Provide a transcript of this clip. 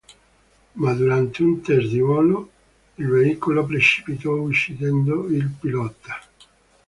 Ma durante un test di volo, il veicolo precipitò, uccidendo il pilota.